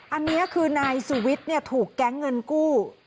อันนี้คือนายสุวิทย์ถูกแก๊งเงินกู้